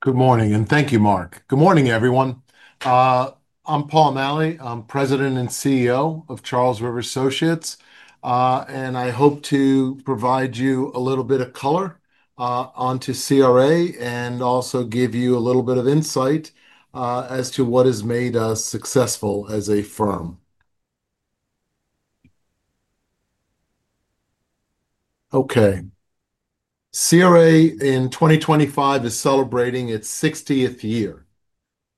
Good morning, and thank you, Mark. Good morning, everyone. I'm Paul Maleh. I'm President and CEO of Charles River Associates. I hope to provide you a little bit of color onto CRA and also give you a little bit of insight as to what has made us successful as a firm. CRA in 2025 is celebrating its 60th year.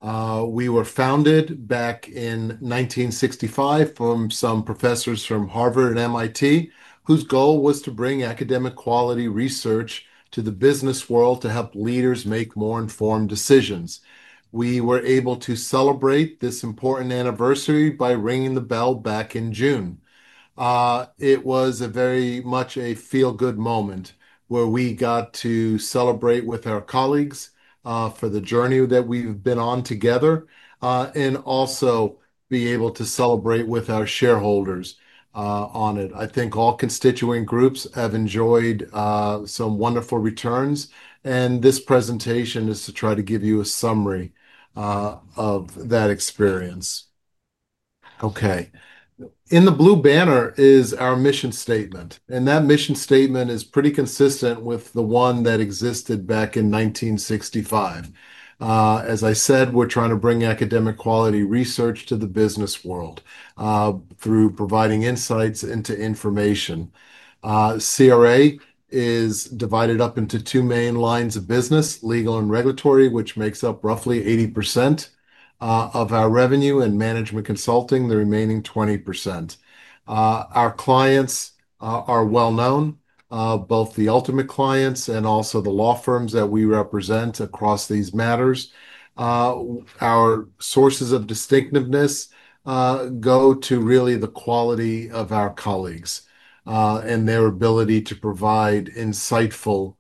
We were founded back in 1965 from some professors from Harvard and MIT whose goal was to bring academic quality research to the business world to help leaders make more informed decisions. We were able to celebrate this important anniversary by ringing the bell back in June. It was very much a feel-good moment where we got to celebrate with our colleagues for the journey that we've been on together, and also be able to celebrate with our shareholders on it. I think all constituent groups have enjoyed some wonderful returns, and this presentation is to try to give you a summary of that experience. In the blue banner is our mission statement, and that mission statement is pretty consistent with the one that existed back in 1965. As I said, we're trying to bring academic quality research to the business world through providing insights into information. CRA is divided up into two main lines of business: legal and regulatory, which makes up roughly 80% of our revenue, and management consulting, the remaining 20%. Our clients are well-known, both the ultimate clients and also the law firms that we represent across these matters. Our sources of distinctiveness go to really the quality of our colleagues and their ability to provide insightful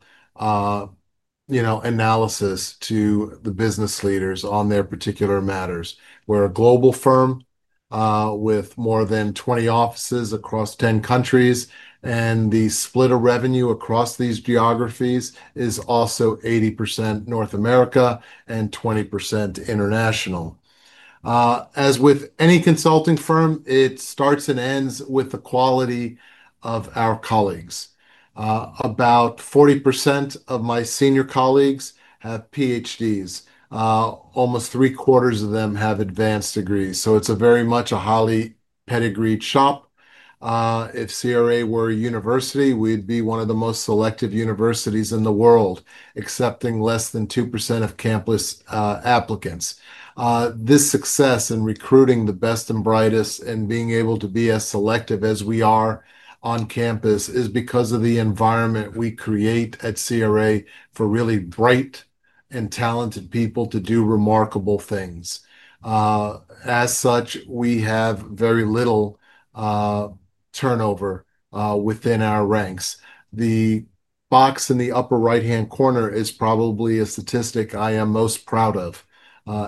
analysis to the business leaders on their particular matters. We're a global firm with more than 20 offices across 10 countries, and the split of revenue across these geographies is also 80% North America and 20% international. As with any consulting firm, it starts and ends with the quality of our colleagues. About 40% of my senior colleagues have PhDs. Almost three-quarters of them have advanced degrees. So it's very much a highly pedigreed shop. If CRA were a university, we'd be one of the most selective universities in the world, accepting less than 2% of campus applicants. This success in recruiting the best and brightest and being able to be as selective as we are on campus is because of the environment we create at CRA for really bright and talented people to do remarkable things. As such, we have very little turnover within our ranks. The box in the upper right-hand corner is probably a statistic I am most proud of,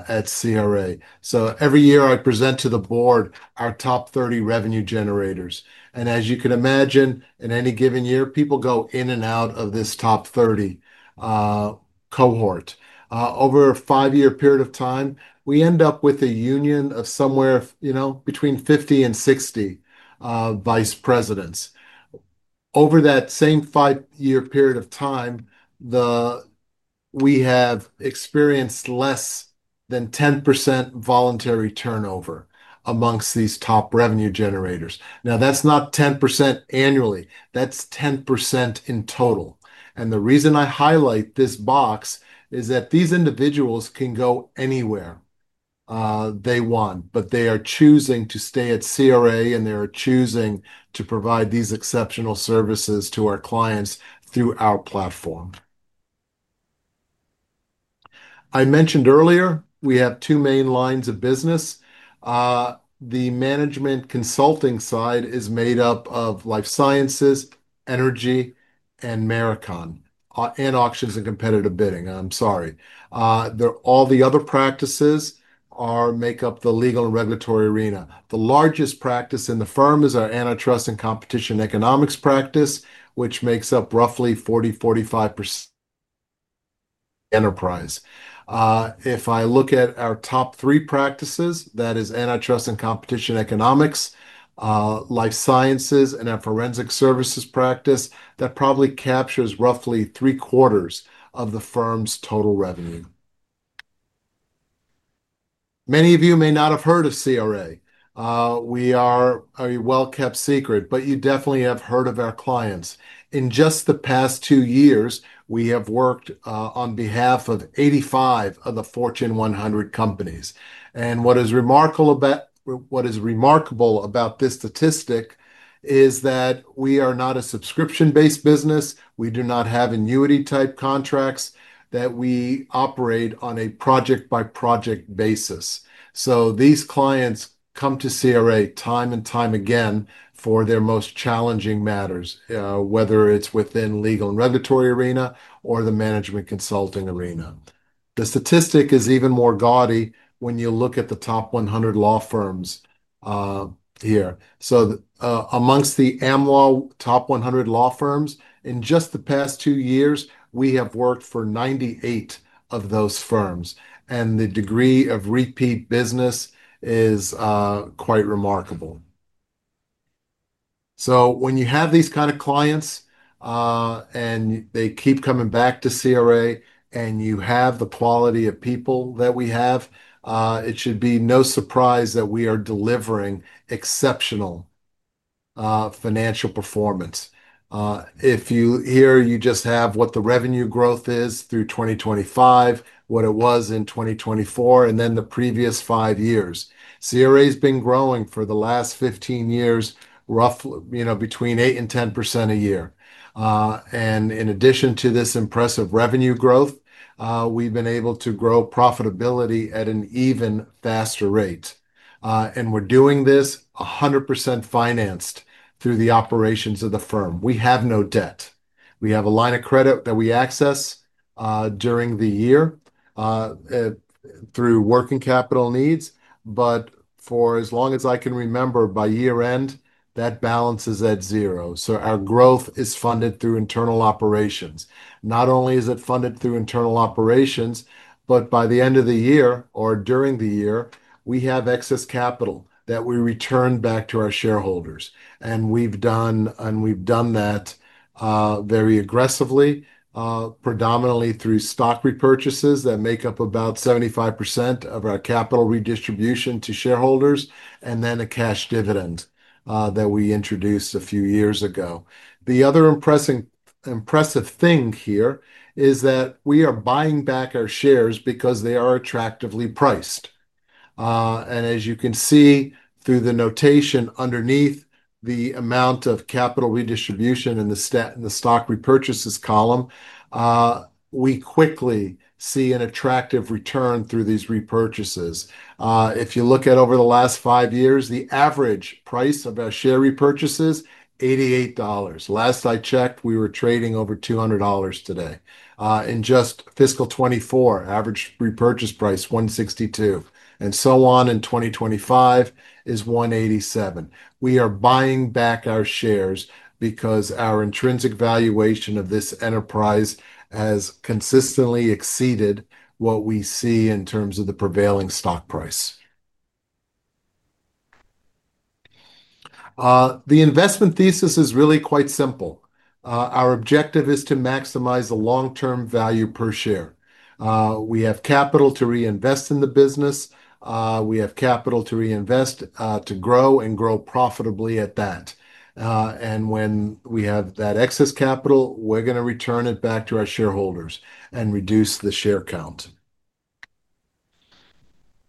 at CRA. Every year I present to the board our top 30 revenue generators. As you can imagine, in any given year, people go in and out of this top 30 cohort. Over a five-year period of time, we end up with a union of somewhere between 50 and 60 Vice Presidents. Over that same five-year period of time, we have experienced less than 10% voluntary turnover amongst these top revenue generators. Now, that's not 10% annually. That's 10% in total. The reason I highlight this box is that these individuals can go anywhere they want, but they are choosing to stay at CRA, and they are choosing to provide these exceptional services to our clients through our platform. I mentioned earlier, we have two main lines of business. The management consulting side is made up of life sciences, energy, and maritime and auctions and competitive bidding. All the other practices make up the legal and regulatory arena. The largest practice in the firm is our antitrust and competition economics practice, which makes up roughly 40% to 45% enterprise. If I look at our top three practices, that is antitrust and competition economics, life sciences, and our forensic services practice, that probably captures roughly three-quarters of the firm's total revenue. Many of you may not have heard of CRA. We are a well-kept secret, but you definitely have heard of our clients. In just the past two years, we have worked on behalf of 85 of the Fortune 100 companies. What is remarkable about this statistic is that we are not a subscription-based business. We do not have annuity-type contracts; we operate on a project-by-project basis. These clients come to CRA time and time again for their most challenging matters, whether it's within the legal and regulatory arena or the management consulting arena. The statistic is even more gaudy when you look at the top 100 law firms here. Amongst the AMLA top 100 law firms, in just the past two years, we have worked for 98 of those firms. The degree of repeat business is quite remarkable. When you have these kind of clients, and they keep coming back to CRA, and you have the quality of people that we have, it should be no surprise that we are delivering exceptional financial performance. If you hear, you just have what the revenue growth is through 2025, what it was in 2024, and then the previous five years. CRA has been growing for the last 15 years, roughly, you know, between 8% and 10% a year. In addition to this impressive revenue growth, we've been able to grow profitability at an even faster rate. We're doing this 100% financed through the operations of the firm. We have no debt. We have a line of credit that we access during the year through working capital needs. For as long as I can remember, by year-end, that balance is at zero. Our growth is funded through internal operations. Not only is it funded through internal operations, but by the end of the year or during the year, we have excess capital that we return back to our shareholders. We've done that very aggressively, predominantly through stock repurchases that make up about 75% of our capital redistribution to shareholders, and then a cash dividend that we introduced a few years ago. The other impressive thing here is that we are buying back our shares because they are attractively priced. As you can see through the notation underneath the amount of capital redistribution in the stock repurchases column, we quickly see an attractive return through these repurchases. If you look at over the last five years, the average price of our share repurchases is $88. Last I checked, we were trading over $200 today. In just fiscal 2024, average repurchase price was $162. In 2025, it is $187. We are buying back our shares because our intrinsic valuation of this enterprise has consistently exceeded what we see in terms of the prevailing stock price. The investment thesis is really quite simple. Our objective is to maximize the long-term value per share. We have capital to reinvest in the business. We have capital to reinvest, to grow and grow profitably at that. When we have that excess capital, we're going to return it back to our shareholders and reduce the share count.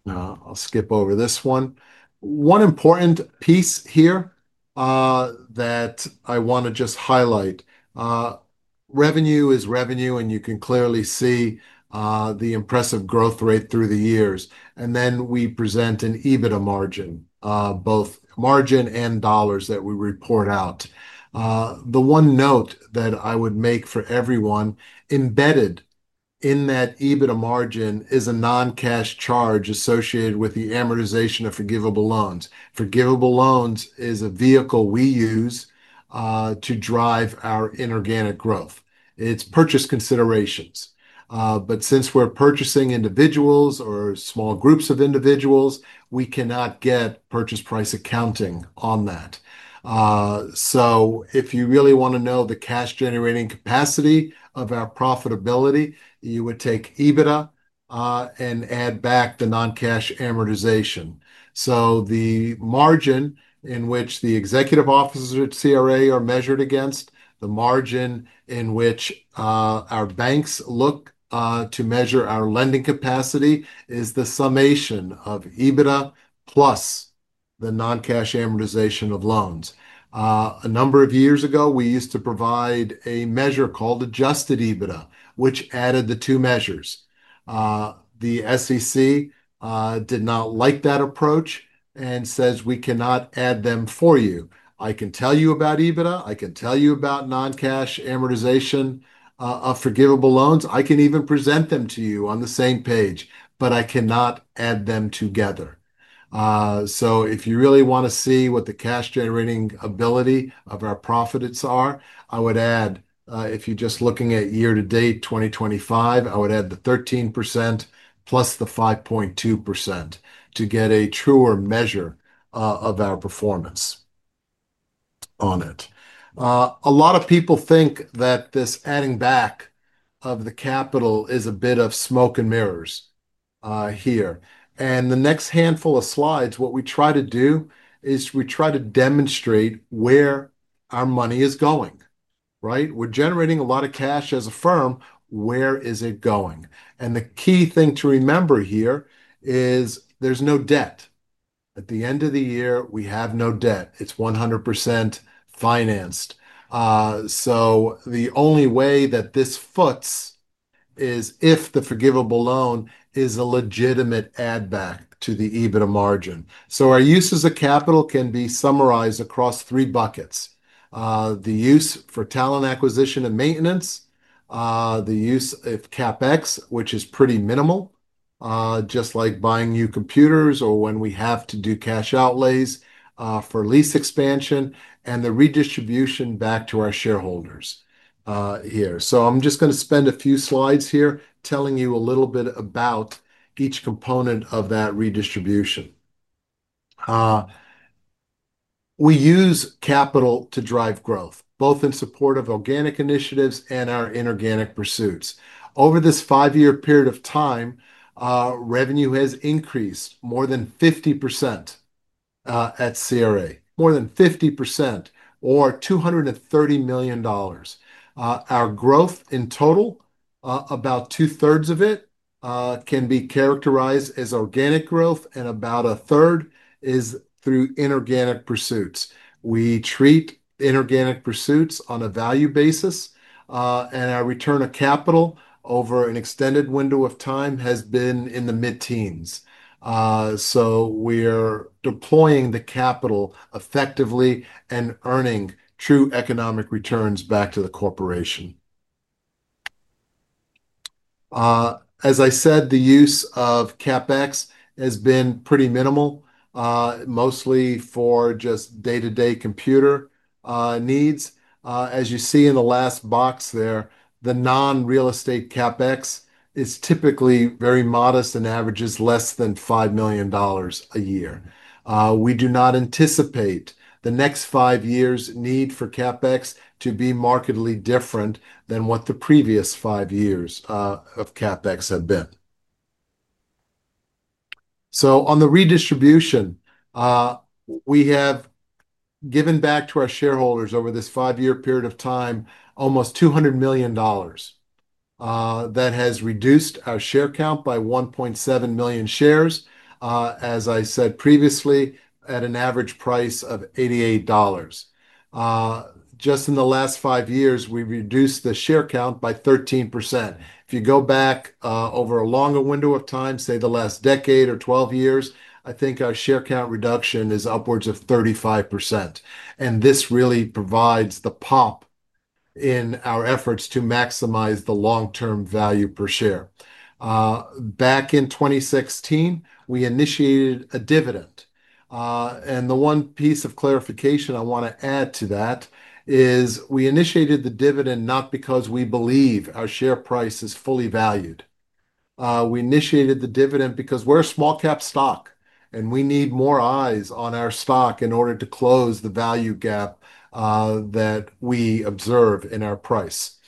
I'll skip over this one. One important piece here that I want to just highlight: revenue is revenue, and you can clearly see the impressive growth rate through the years. We present an EBITDA margin, both margin and dollars that we report out. The one note that I would make for everyone embedded in that EBITDA margin is a non-cash charge associated with the amortization of forgivable loans. Forgivable loans is a vehicle we use to drive our inorganic growth. It's purchase considerations. Since we're purchasing individuals or small groups of individuals, we cannot get purchase price accounting on that. If you really want to know the cash-generating capacity of our profitability, you would take EBITDA and add back the non-cash amortization. The margin in which the Executive Officers at CRA are measured against, the margin in which our banks look to measure our lending capacity, is the summation of EBITDA plus the non-cash amortization of loans. A number of years ago, we used to provide a measure called adjusted EBITDA, which added the two measures. The SEC did not like that approach and says we cannot add them for you. I can tell you about EBITDA. I can tell you about non-cash amortization of forgivable loans. I can even present them to you on the same page, but I cannot add them together. If you really want to see what the cash-generating ability of our profits are, I would add, if you're just looking at year-to-date 2025, I would add the 13% plus the 5.2% to get a truer measure of our performance on it. A lot of people think that this adding back of the capital is a bit of smoke and mirrors here. In the next handful of slides, what we try to do is we try to demonstrate where our money is going, right? We're generating a lot of cash as a firm. Where is it going? The key thing to remember here is there's no debt. At the end of the year, we have no debt. It's 100% financed. The only way that this foots is if the forgivable loan is a legitimate add-back to the EBITDA margin. Our uses of capital can be summarized across three buckets: the use for talent acquisition and maintenance, the use of CapEx, which is pretty minimal, just like buying new computers or when we have to do cash outlays for lease expansion, and the redistribution back to our shareholders here. I'm just going to spend a few slides here telling you a little bit about each component of that redistribution. We use capital to drive growth, both in support of organic initiatives and our inorganic pursuits. Over this five-year period of time, revenue has increased more than 50% at CRA, more than 50% or $230 million. Our growth in total, about two-thirds of it, can be characterized as organic growth, and about a third is through inorganic pursuits. We treat inorganic pursuits on a value basis, and our return of capital over an extended window of time has been in the mid-teens. We are deploying the capital effectively and earning true economic returns back to the corporation. As I said, the use of CapEx has been pretty minimal, mostly for just day-to-day computer needs. As you see in the last box there, the non-real estate CapEx is typically very modest and averages less than $5 million a year. We do not anticipate the next five years' need for CapEx to be markedly different than what the previous five years of CapEx have been. On the redistribution, we have given back to our shareholders over this five-year period of time almost $200 million. That has reduced our share count by 1.7 million shares, as I said previously, at an average price of $88. Just in the last five years, we've reduced the share count by 13%. If you go back over a longer window of time, say the last decade or 12 years, I think our share count reduction is upwards of 35%. This really provides the pop in our efforts to maximize the long-term value per share. Back in 2016, we initiated a dividend. The one piece of clarification I want to add to that is we initiated the dividend not because we believe our share price is fully valued. We initiated the dividend because we're a small-cap stock, and we need more eyes on our stock in order to close the value gap that we observe in our price.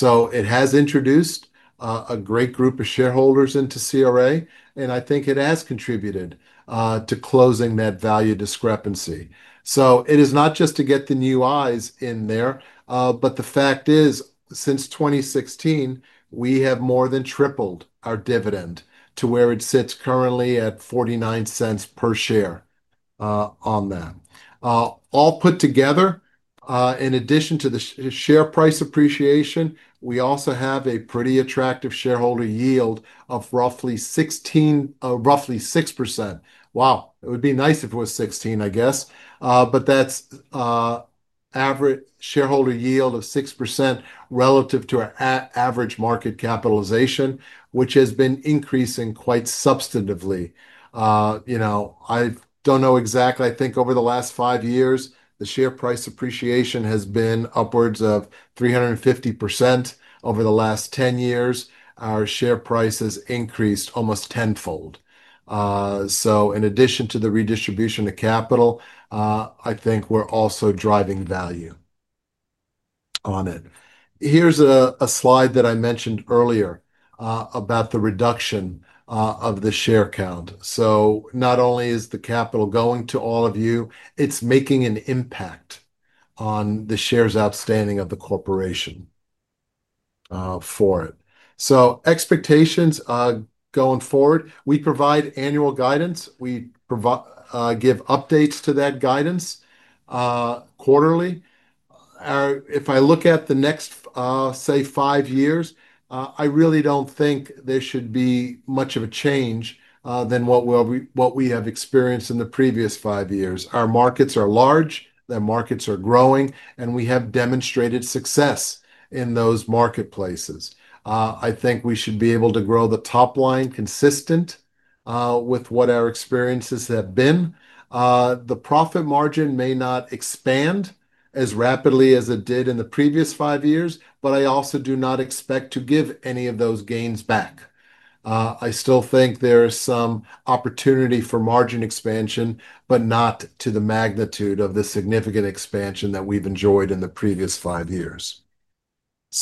It has introduced a great group of shareholders into CRA, and I think it has contributed to closing that value discrepancy. It is not just to get the new eyes in there, but the fact is, since 2016, we have more than tripled our dividend to where it sits currently at $0.49 per share. All put together, in addition to the share price appreciation, we also have a pretty attractive shareholder yield of roughly 6%. Wow. It would be nice if it was 16%, I guess. That is average shareholder yield of 6% relative to our average market capitalization, which has been increasing quite substantively. I don't know exactly. I think over the last five years, the share price appreciation has been upwards of 350%. Over the last 10 years, our share price has increased almost tenfold. In addition to the redistribution of capital, I think we're also driving value on it. Here's a slide that I mentioned earlier about the reduction of the share count. Not only is the capital going to all of you, it's making an impact on the shares outstanding of the corporation. Expectations going forward, we provide annual guidance. We give updates to that guidance quarterly. If I look at the next, say, five years, I really don't think there should be much of a change than what we have experienced in the previous five years. Our markets are large, the markets are growing, and we have demonstrated success in those marketplaces. I think we should be able to grow the top line consistent with what our experiences have been. The profit margin may not expand as rapidly as it did in the previous five years, but I also do not expect to give any of those gains back. I still think there is some opportunity for margin expansion, but not to the magnitude of the significant expansion that we've enjoyed in the previous five years.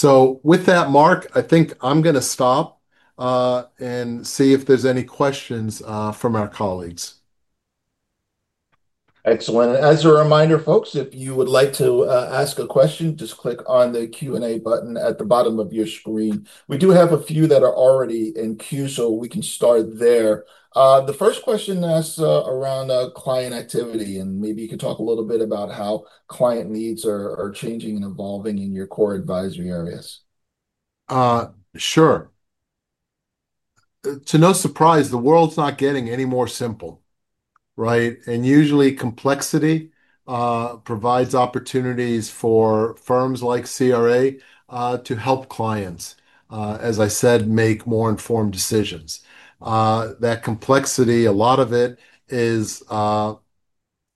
With that, Mark, I think I'm going to stop and see if there's any questions from our colleagues. Excellent. As a reminder, folks, if you would like to ask a question, just click on the Q&A button at the bottom of your screen. We do have a few that are already in queue, so we can start there. The first question asks around client activity, and maybe you could talk a little bit about how client needs are changing and evolving in your core advisory areas. Sure. To no surprise, the world's not getting any more simple, right? Usually, complexity provides opportunities for firms like CRA to help clients, as I said, make more informed decisions. That complexity, a lot of it, is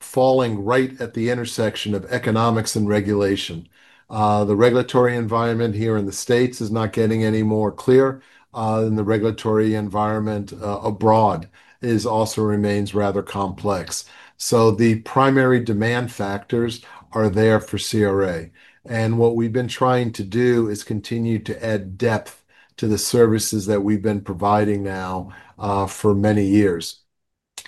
falling right at the intersection of economics and regulation. The regulatory environment here in the United States is not getting any more clear, and the regulatory environment abroad also remains rather complex. The primary demand factors are there for CRA. What we've been trying to do is continue to add depth to the services that we've been providing now for many years.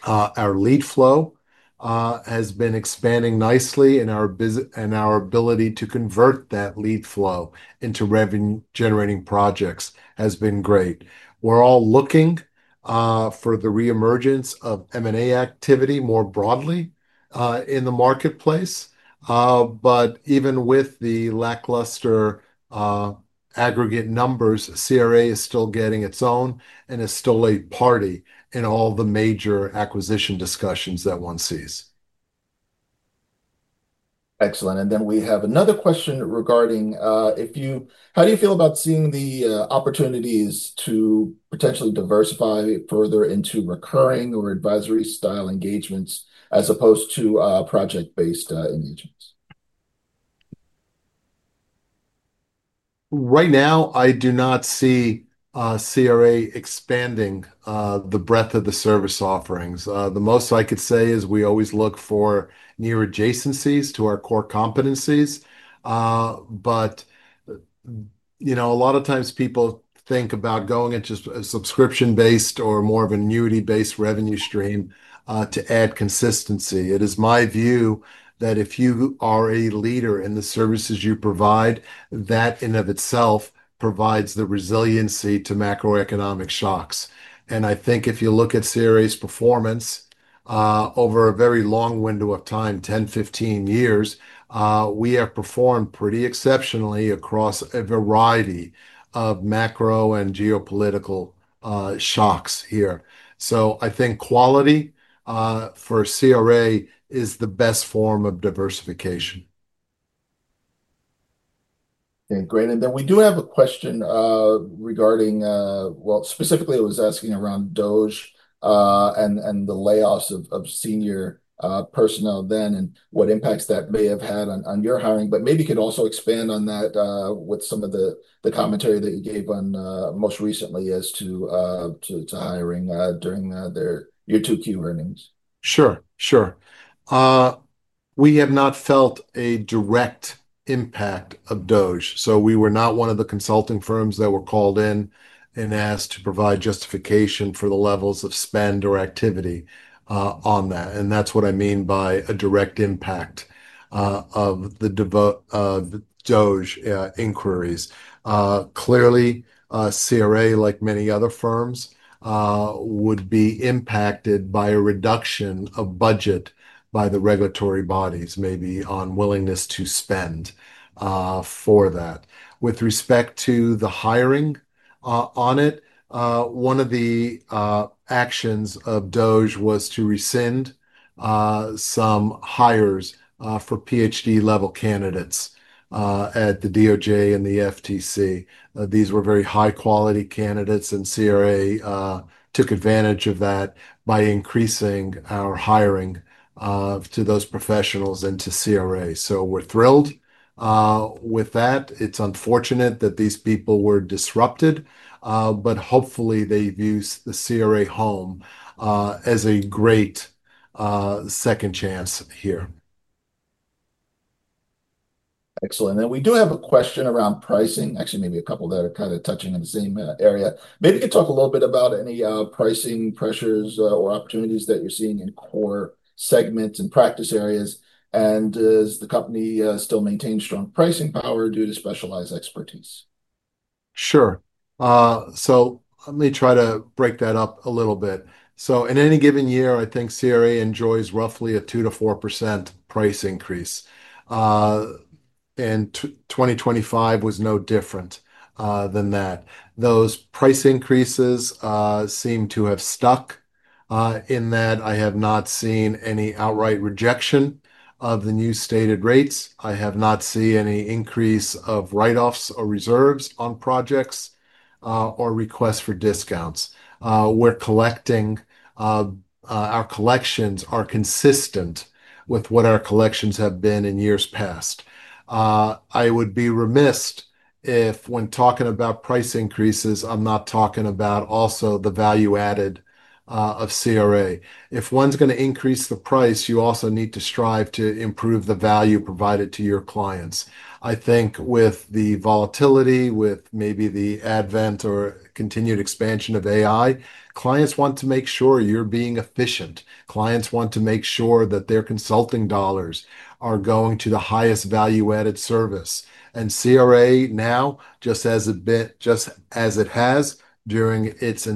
Our lead flow has been expanding nicely, and our ability to convert that lead flow into revenue-generating projects has been great. We're all looking for the reemergence of M&A activity more broadly in the marketplace. Even with the lackluster aggregate numbers, CRA is still getting its own and is still a party in all the major acquisition discussions that one sees. Excellent. We have another question regarding how do you feel about seeing the opportunities to potentially diversify it further into recurring or advisory-style engagements as opposed to project-based engagements? Right now, I do not see CRA expanding the breadth of the service offerings. The most I could say is we always look for near adjacencies to our core competencies. A lot of times people think about going into a subscription-based or more of an annuity-based revenue stream to add consistency. It is my view that if you are a leader in the services you provide, that in and of itself provides the resiliency to macroeconomic shocks. If you look at CRA's performance over a very long window of time, 10, 15 years, we have performed pretty exceptionally across a variety of macro and geopolitical shocks here. I think quality, for CRA, is the best form of diversification. Great. We do have a question regarding, specifically, it was asking around DOGE and the layoffs of senior personnel and what impacts that may have had on your hiring. Maybe you could also expand on that with some of the commentary that you gave most recently as to hiring during their year two Q earnings. Sure, sure. We have not felt a direct impact of DOJ. We were not one of the consulting firms that were called in and asked to provide justification for the levels of spend or activity on that. That's what I mean by a direct impact of the DOJ inquiries. Clearly, CRA, like many other firms, would be impacted by a reduction of budget by the regulatory bodies, maybe on willingness to spend for that. With respect to the hiring on it, one of the actions of DOJ was to rescind some hires for PhD-level candidates at the DOJ and the FTC. These were very high-quality candidates, and CRA took advantage of that by increasing our hiring to those professionals into CRA. We're thrilled with that. It's unfortunate that these people were disrupted, but hopefully they've used the CRA home as a great second chance here. Excellent. We do have a question around pricing. Actually, maybe a couple that are kind of touching on the same area. Maybe you could talk a little bit about any pricing pressures or opportunities that you're seeing in core segments and practice areas. Does the company still maintain strong pricing power due to specialized expertise? Sure. Let me try to break that up a little bit. In any given year, I think CRA enjoys roughly a 2% to 4% price increase, and 2025 was no different than that. Those price increases seem to have stuck, in that I have not seen any outright rejection of the new stated rates. I have not seen any increase of write-offs or reserves on projects, or requests for discounts. We're collecting, our collections are consistent with what our collections have been in years past. I would be remiss if when talking about price increases, I'm not talking about also the value added of CRA. If one's going to increase the price, you also need to strive to improve the value provided to your clients. I think with the volatility, with maybe the advent or continued expansion of AI, clients want to make sure you're being efficient. Clients want to make sure that their consulting dollars are going to the highest value-added service. CRA now, just as it has been, just as it has during its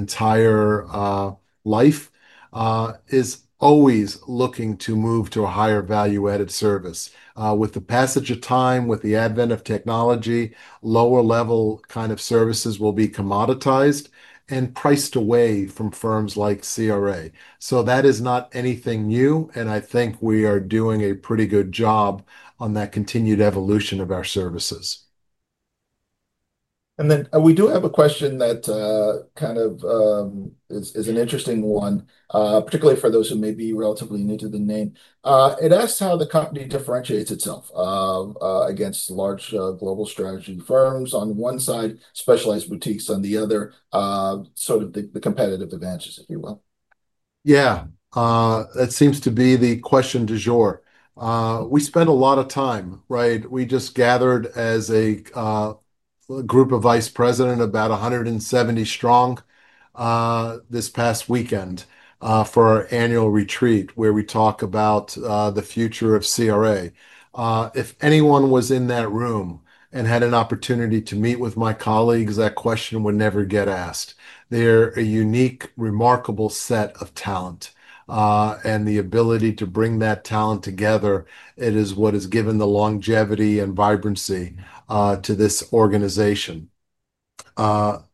entire life, is always looking to move to a higher value-added service. With the passage of time, with the advent of technology, lower-level kind of services will be commoditized and priced away from firms like CRA. That is not anything new, and I think we are doing a pretty good job on that continued evolution of our services. We do have a question that is an interesting one, particularly for those who may be relatively new to the name. It asks how the company differentiates itself against large, global strategy firms on one side and specialized boutiques on the other, sort of the competitive advantages, if you will. Yeah, that seems to be the question du jour. We spent a lot of time, right? We just gathered as a group of Vice President, about 170 strong, this past weekend, for our annual retreat where we talk about the future of CRA. If anyone was in that room and had an opportunity to meet with my colleagues, that question would never get asked. They're a unique, remarkable set of talent, and the ability to bring that talent together is what has given the longevity and vibrancy to this organization.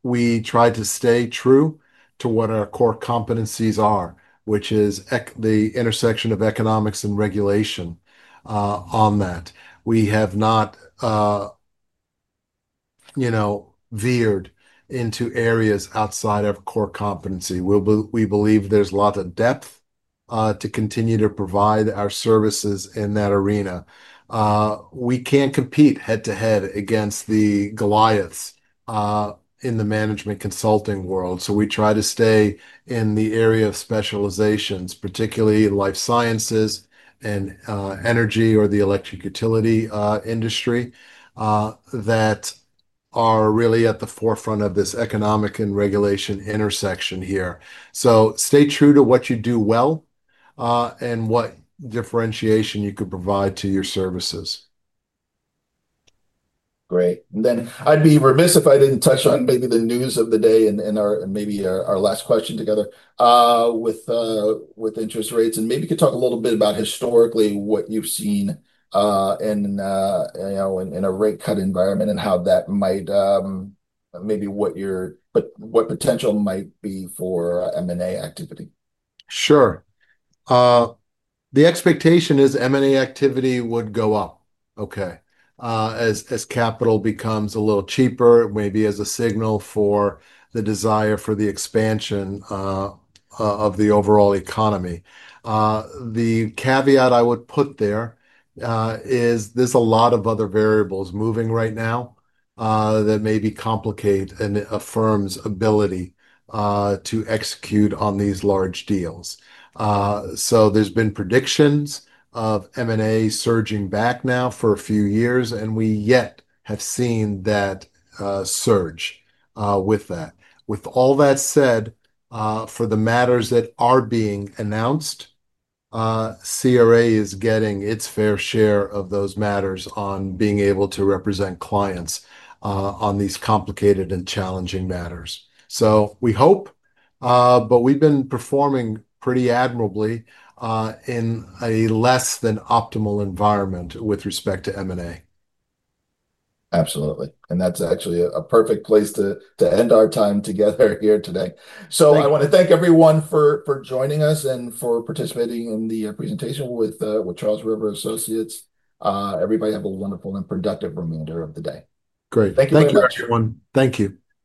We try to stay true to what our core competencies are, which is the intersection of economics and regulation. We have not, you know, veered into areas outside of core competency. We believe there's a lot of depth to continue to provide our services in that arena. We can't compete head-to-head against the Goliaths in the management consulting world. We try to stay in the area of specializations, particularly in life sciences and energy or the electric utility industry, that are really at the forefront of this economic and regulation intersection here. Stay true to what you do well, and what differentiation you could provide to your services. Great. I'd be remiss if I didn't touch on maybe the news of the day and maybe our last question together, with interest rates. Maybe you could talk a little bit about historically what you've seen in a rate cut environment and how that might, maybe what your, but what potential might be for M&A activity. Sure. The expectation is M&A activity would go up, okay? As capital becomes a little cheaper, maybe as a signal for the desire for the expansion of the overall economy. The caveat I would put there is there's a lot of other variables moving right now that maybe complicate a firm's ability to execute on these large deals. There's been predictions of M&A surging back now for a few years, and we yet have seen that surge. With all that said, for the matters that are being announced, CRA is getting its fair share of those matters on being able to represent clients on these complicated and challenging matters. We hope, but we've been performing pretty admirably in a less than optimal environment with respect to M&A. Absolutely. That's actually a perfect place to end our time together here today. I want to thank everyone for joining us and for participating in the presentation with Charles River Associates. Everybody have a wonderful and productive remainder of the day. Great. Thank you very much, everyone. Thank you.